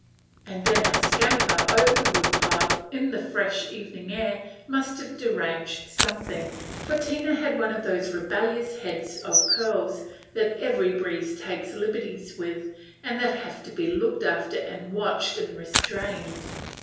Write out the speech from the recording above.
And then our scamper over the wood pile, in the fresh, evening air must have deranged something, for Tina had one of those rebellious heads of curls that every breeze takes liberties with, and that have to be looked after and watched and restrained.